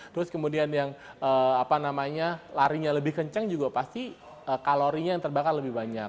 terus kemudian yang apa namanya larinya lebih kencang juga pasti kalorinya yang terbakar lebih banyak